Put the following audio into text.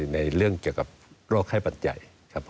ในเรื่องเกี่ยวกับโรคไข้หวัดใหญ่